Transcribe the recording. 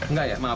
nggak ya maaf